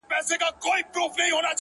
• د قاضي په نصیحت کي ثمر نه وو,